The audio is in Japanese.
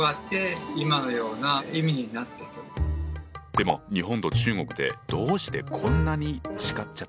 でも日本と中国でどうしてこんなに違っちゃったんだ？